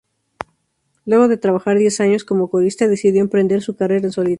Luego de trabajar diez años como corista, decidió emprender su carrera en solitario.